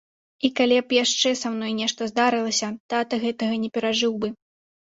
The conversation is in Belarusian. І калі б яшчэ са мной нешта здарылася, тата гэтага не перажыў бы.